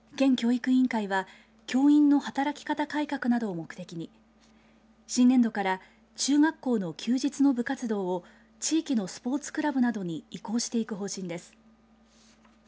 県教育委員会は教員の働き方改革などを目的に新年度から中学校の休日の部活動を地域のスポーツクラブなどに移行していく方針です。